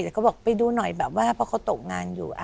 แต่เขาบอกไปดูหน่อยแบบว่าเพราะเขาตกงานอยู่